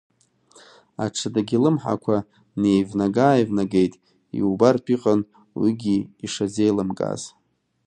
Аҽадагьы алымҳақәа неивнага-ааивнагеит, иубартә иҟан уигьы ишазеилымкааз.